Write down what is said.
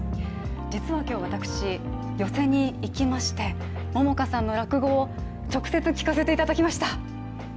実は今日、私寄席に行きまして桃花さんの落語を直接聞かせていただきました。